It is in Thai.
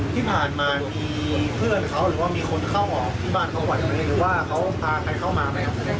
ที่ผ่านมามีเพื่อนเขาหรือว่ามีคนเข้าออกที่บ้านเขาไหวไหมหรือว่าเขาพาใครเข้ามาไหมครับแสดง